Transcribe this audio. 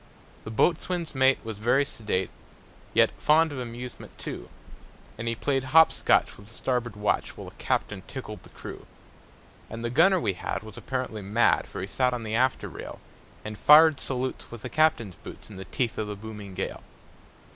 The boatswain's mate was very sedate, Yet fond of amusement, too; And he played hop scotch with the starboard watch, While the captain tickled the crew. And the gunner we had was apparently mad, For he sat on the after rail, And fired salutes with the captain's boots, In the teeth of the booming gale.